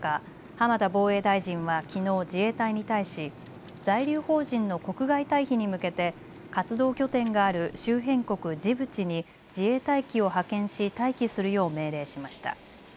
浜田防衛大臣はきのう自衛隊に対し在留邦人の国外退避に向けて活動拠点がある周辺国ジブチに自衛隊機を派遣し待機するよう命令しました。